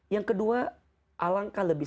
yang kedua alangkah lebih